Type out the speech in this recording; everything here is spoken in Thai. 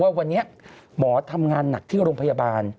ว่าวันนี้หมอทำงานหนักที่โรงพยาบาล